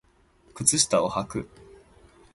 靴下をはく